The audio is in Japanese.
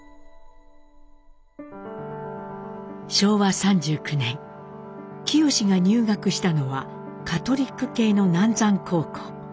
昭和３９年清が入学したのはカトリック系の南山高校。